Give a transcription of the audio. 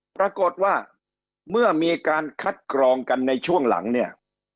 ปรากฏว่าเมื่อมีการคัดกรองกันในช่วงหลังเนี่ย